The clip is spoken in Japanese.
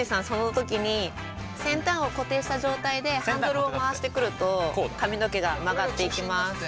その時に先端を固定した状態でハンドルを回してくると髪の毛が曲がっていきます。